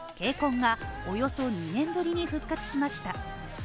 ＫＣＯＮがおよそ２年ぶりに復活しました。